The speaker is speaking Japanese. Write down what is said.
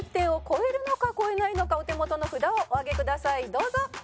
どうぞ！